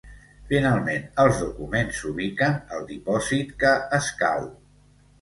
Finalment, els documents s'ubiquen al dipòsit que escau.